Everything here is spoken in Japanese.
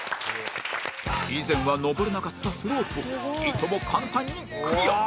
以前は上れなかったスロープをいとも簡単にクリア